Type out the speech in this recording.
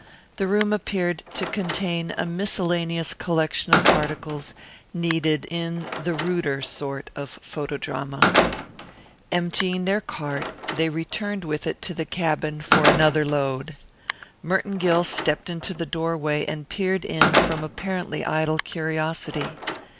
The room appeared to contain a miscellaneous collection of articles needed in the ruder sort of photodrama. Emptying their cart, they returned with it to the cabin for another load. Merton Gill stepped to the doorway and peered in from apparently idle curiosity.